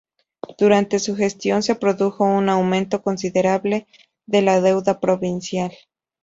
Durante su gestión se produjo un aumento considerable de la deuda provincial.